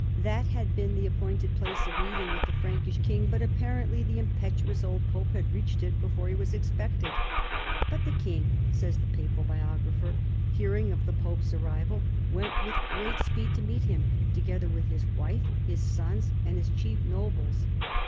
That had been the appointed place of meeting with the Frankish king, but apparently the impetuous old pope had reached it before he was expected. " But the king," says the papal biographer, " hear ing of the pope's arrival, went with great speed to meet him, together with his wife, his sons, and his chief nobles.